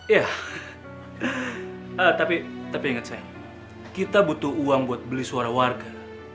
ya tapi ingat saya kita butuh uang buat beli suara warga